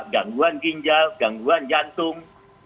gangguan ginjal gangguan jantung